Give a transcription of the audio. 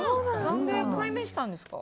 何で改名したんですか？